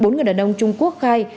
bốn người đàn ông trung quốc khai